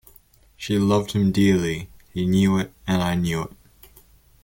She loved him dearly; he knew it, and I knew it.